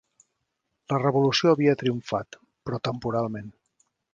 La revolució havia triomfat, però temporalment.